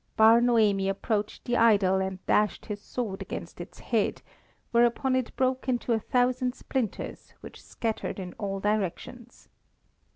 Bar Noemi approached the idol and dashed his sword against its head, whereupon it broke into a thousand splinters which scattered in all directions.